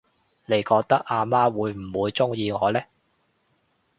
你覺得阿媽會唔會鍾意我呢？